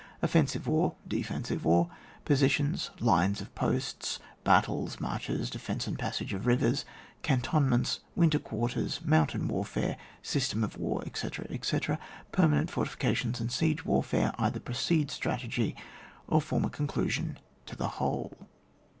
Offensive war. Defensive war. Positions — Klines of posts — ^battles marches — defence and passage of rivers. Cantonments — ^winter quarters. Mountain warfe^e. System of war, etc. etc. Permanent fortification and siege war fare either precede strategy or form a conclusion to the whole.